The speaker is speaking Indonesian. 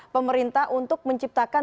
pemerintah untuk menciptakan